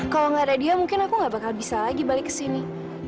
kalau nggak ada dia mungkin aku nggak bakal bisa lagi balik ke sini